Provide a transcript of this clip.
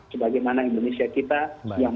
sebagaimana indonesia kita yang